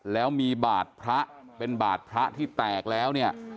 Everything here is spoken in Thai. แล้วมีบาดพระเป็นบาทพระที่แตกแล้วเนี่ย